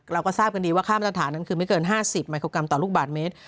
เราก็ทราบกันดีว่าค่ามาตรฐานนั้นคือไม่เกิน๕๐มิโครกรัมต่อลูกบาทเมตร